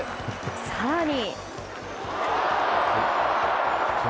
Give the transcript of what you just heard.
更に。